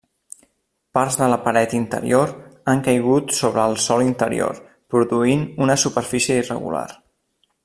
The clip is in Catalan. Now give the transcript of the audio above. Parts de la paret interior han caigut sobre el sòl interior, produint una superfície irregular.